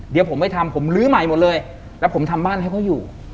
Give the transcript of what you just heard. เดี๋ยวผมไม่ทำผมลื้อใหม่หมดเลยแล้วผมทำบ้านให้เขาอยู่